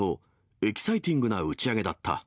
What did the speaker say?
エキサイティングな打ち上げだった。